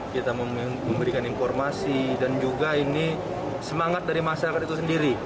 kita memberikan informasi dan juga ini semangat dari masyarakat itu sendiri